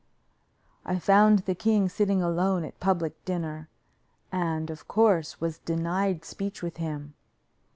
I found the king sitting alone at public dinner, and, of course, was denied speech with him.